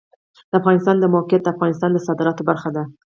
د افغانستان د موقعیت د افغانستان د صادراتو برخه ده.